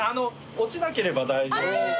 落ちなければ大丈夫。